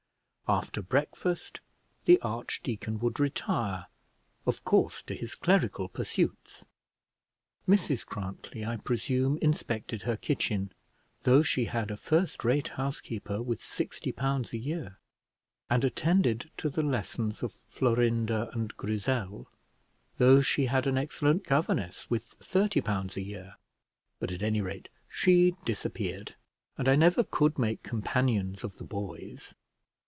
After breakfast the archdeacon would retire, of course to his clerical pursuits. Mrs Grantly, I presume, inspected her kitchen, though she had a first rate housekeeper, with sixty pounds a year; and attended to the lessons of Florinda and Grizzel, though she had an excellent governess with thirty pounds a year: but at any rate she disappeared: and I never could make companions of the boys.